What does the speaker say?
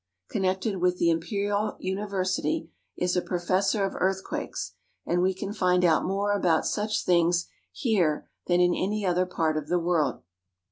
Connected with the Imperial University is a professor of earthquakes, and we can find out more about such things here than in any other part of the world.